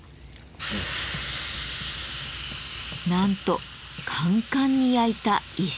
なんとカンカンに焼いた石。